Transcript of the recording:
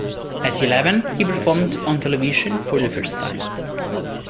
At eleven, he performed on television for the first time.